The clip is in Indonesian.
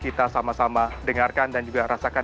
kita sama sama dengarkan dan juga rasakan